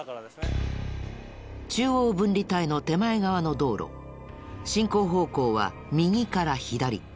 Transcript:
中央分離帯の手前側の道路進行方向は右から左。